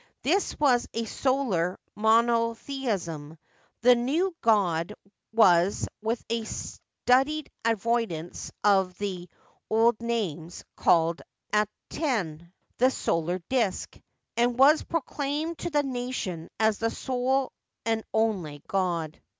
This was a solar monotheism ; the new god was, with a studied avoidance of the old names, called Aten, " the Solar Disk," and was proclaimed to the nation as their sole and only god.